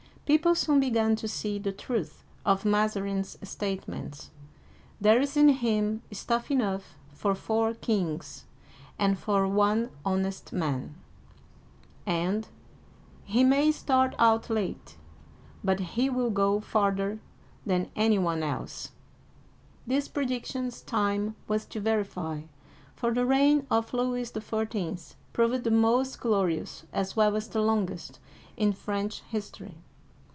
People soon began to see the truth of Mazarin's statements :" There is in him stuff enough for four kings and for one honest man !" and, " He may start out late, but he will go farther than any one else !These predictions time was to verify, for the reign of Louis XIV. proved the mostglorious, as well as the longest, in French history.